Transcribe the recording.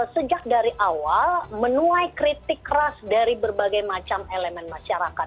sejak dari awal menuai kritik keras dari berbagai macam elemen masyarakat